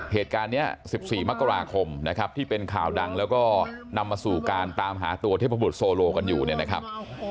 เหตุการณ์นี้๑๔มกราคมนะครับที่เป็นข่าวดังแล้วก็นำมาสู่การตามหาตัวเทพบุตรโซโลกันอยู่เนี่ยนะครับ